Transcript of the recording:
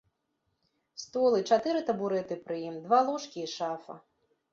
Стол і чатыры табурэты пры ім, два ложкі і шафа.